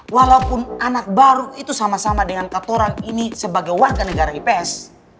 walaupun anak baru itu sama sama dengan katarang ini sebagai warga negara ips